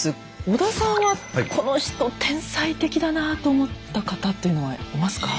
織田さんはこの人天才的だなぁと思った方というのはいますか？